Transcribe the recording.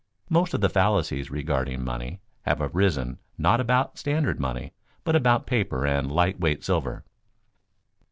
Most of the fallacies regarding money have arisen not about standard money, but about paper and light weight silver.